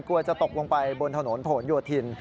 กลัวจะตกลงไปบนถนนผนโยธิน